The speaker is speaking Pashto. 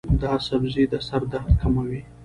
دا سبزی د سر درد کموي.